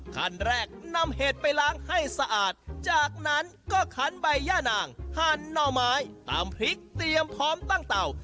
ขั้นแรกนำเห็ดไปล้างให้สะอาดจากนั้นก็ขันใบย่านางหั่นหน่อไม้ตำพริกเตรียมพร้อมตั้งเตา